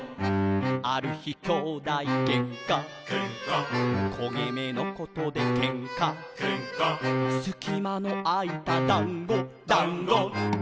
「ある日兄弟げんか」「けんか」「こげ目のことでけんか」「けんか」「すきまのあいただんご」「だんご」